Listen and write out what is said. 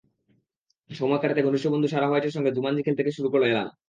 সময় কাটাতে ঘনিষ্ঠ বন্ধু সারা হোয়াইটের সঙ্গে জুমানজি খেলতে শুরু করল অ্যালান।